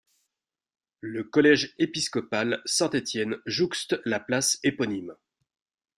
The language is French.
Le collège épiscopal Saint-Étienne jouxte la place éponyme.